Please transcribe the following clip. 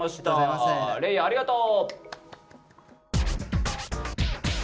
嶺亜ありがとう！